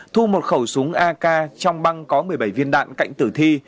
thu một khẩu súng ak trong băng có một mươi bảy viên đạn cạnh tử thi